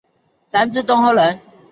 张之洞后人。